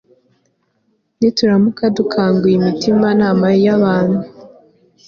Nituramuka dukanguye imitimanama yabantu